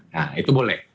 nah itu boleh